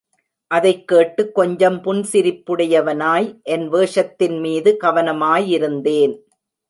அதைக்கேட்டு, கொஞ்சம் புன்சிரிப்புடையவனாய் என் வேஷத்தின்மீது கவனமாயிருந்தேன்.